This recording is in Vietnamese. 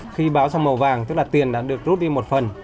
khi báo sang màu vàng tức là tiền đã được rút đi một phần